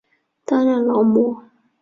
担任劳模。